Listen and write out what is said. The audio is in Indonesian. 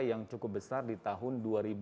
yang cukup besar di tahun dua ribu dua puluh